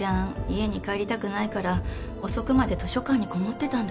家に帰りたくないから遅くまで図書館にこもってたんだって。